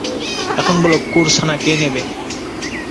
এখন বলো, কুকুরছানা কে নেবে?